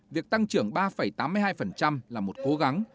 việc tăng trưởng ba tám mươi hai là một cố gắng